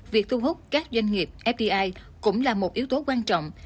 việc thu hút các doanh nghiệp fdi cũng là một yếu tố quan trọng